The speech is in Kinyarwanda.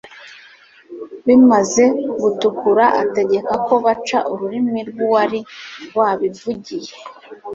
bimaze gutukura, ategeka ko baca ururimi rw'uwari wabavugiye